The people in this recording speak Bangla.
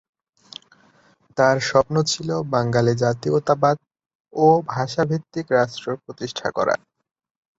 তাঁর স্বপ্ন ছিল বাঙালি জাতীয়তাবাদ ও ভাষাভিত্তিক রাষ্ট্র প্রতিষ্ঠা করা।